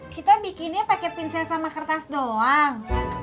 kita bikinnya pake pincel sama kertas doang